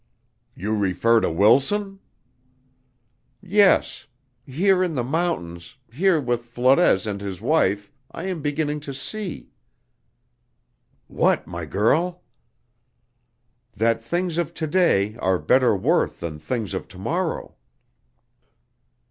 "You refer to Wilson?" "Yes. Here in the mountains here with Flores and his wife, I am beginning to see." "What, my girl?" "That things of to day are better worth than things of to morrow."